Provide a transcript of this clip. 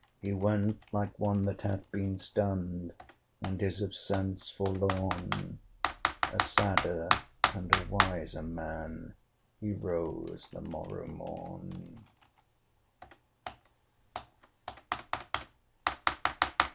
He went like one that hath been stunned, And is of sense forlorn: A sadder and a wiser man, He rose the morrow morn.